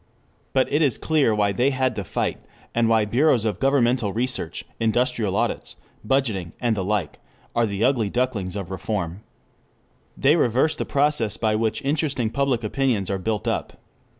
But it is clear why they had to fight, and why bureaus of governmental research, industrial audits, budgeting and the like are the ugly ducklings of reform. They reverse the process by which interesting public opinions are built up.